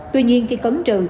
tuy nhiên khi cấm trừ